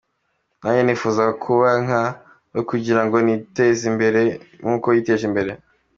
Nanjye nifuza kuba nka, we kugira ngo niteze imbere nk’uko yiteje imbere.